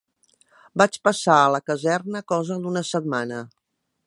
Vaig passar a la caserna cosa d'una setmana.